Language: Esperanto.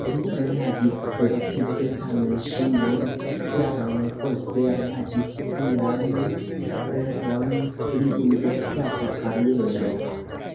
Li reagis pozitive, tamen ŝi nur jarojn poste realigis sian revon pri universitata kariero.